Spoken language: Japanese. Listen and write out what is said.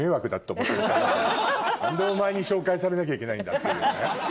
何でお前に紹介されなきゃいけないんだっていうね。